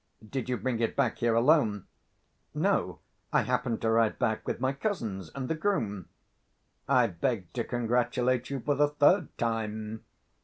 Did you bring it back here alone?" "No. I happened to ride back with my cousins and the groom." "I beg to congratulate you for the third time!